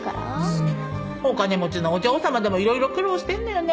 お金持ちのお嬢様でもいろいろ苦労してんのよね。